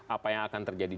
apa yang akan terjadi